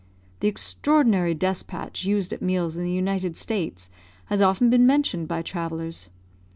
The extraordinary despatch used at meals in the United States has often been mentioned by travellers.